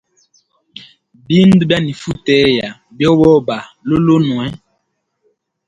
Bindu byanifuteya byoboba lulunwe.